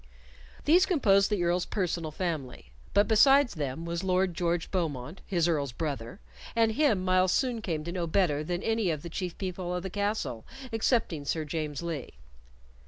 These composed the Earl's personal family; but besides them was Lord George Beaumont, his Earl's brother, and him Myles soon came to know better than any of the chief people of the castle excepting Sir James Lee.